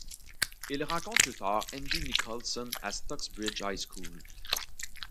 Il rencontre plus tard Andy Nicholson à Stocksbridge High School.